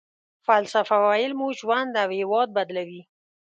فلسفه ويل مو ژوند او هېواد بدلوي.